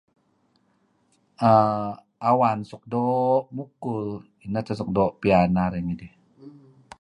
[er[ awan suk doo' mukul neh teh suk doo' piyan narih ngidih.